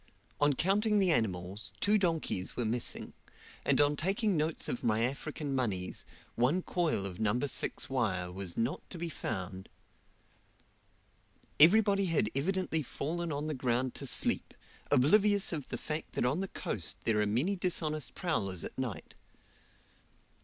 On counting the animals, two donkeys were missing; and on taking notes of my African moneys, one coil of No. 6 wire was not to be found. Everybody had evidently fallen on the ground to sleep, oblivious of the fact that on the coast there are many dishonest prowlers at night.